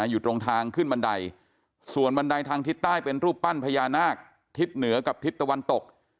อยู่ตรงทางขึ้นบันไดส่วนบันไดทางทิศใต้เป็นรูปปั้นพญานาคทิศเหนือกับทิศตะวันตก